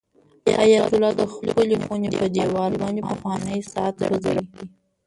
حیات الله د خپلې خونې په دېوال باندې پخوانی ساعت وځړاوه.